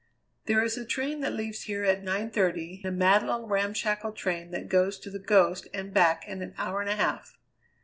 "There is a train that leaves here at nine thirty, a mad little ramshackle train that goes to The Ghost and back in an hour and a half.